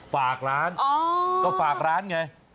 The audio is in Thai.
ฝากร้านก็ฝากร้านไง